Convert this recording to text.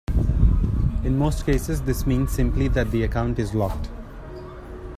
In most cases, this means simply that the account is locked.